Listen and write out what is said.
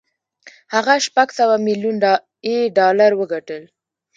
هغه شپږ سوه ميليون يې ډالر وګټل.